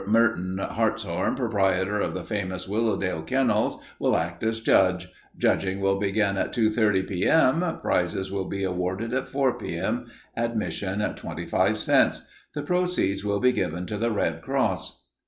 Merton Hartshorn, proprietor of the famous Willowdale Kennels, will act as judge. Judging will begin at 2.30 P.M. Prizes will be awarded at 4 P.M. ADMISSION, 25 CENTS. The proceeds will be given to the Red Cross.